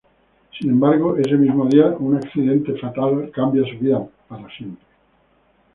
Sin embargo, ese mismo día, un accidente fatal cambia su vida para siempre.